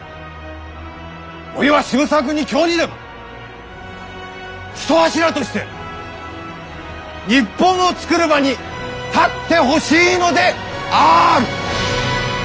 おいは渋沢君に今日にでも一柱として日本を作る場に立ってほしいのである！